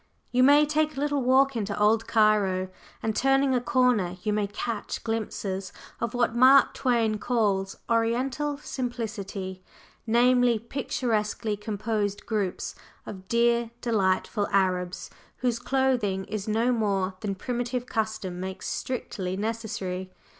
You may take a little walk into "Old" Cairo, and turning a corner you may catch glimpses of what Mark Twain calls "Oriental simplicity," namely, picturesquely composed groups of "dear delightful" Arabs whose clothing is no more than primitive custom makes strictly necessary.